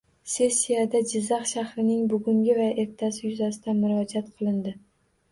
Sessiyada Jizzax shahrining buguni va ertasi yuzasidan murojaat qilindi